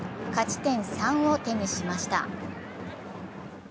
勝ち点３を手にしました。